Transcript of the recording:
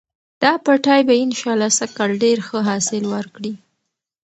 دا پټی به انشاالله سږکال ډېر ښه حاصل ورکړي.